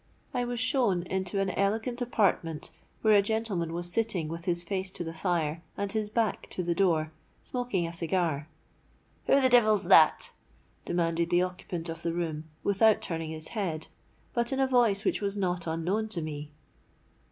I was shown into an elegant apartment, where a gentleman was sitting with his face to the fire and his back to the door, smoking a cigar. 'Who the devil's that?' demanded the occupant of the room, without turning his head, but in a voice which was not unknown to me.